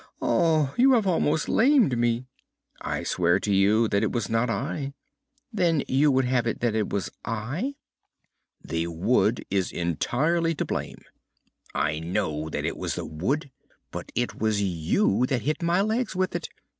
You have almost lamed me!" "I swear to you that it was not I!" "Then you would have it that it was I?" "The wood is entirely to blame!" "I know that it was the wood; but it was you that hit my legs with it!"